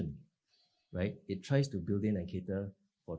mereka mencoba untuk membangun dan memanfaatkan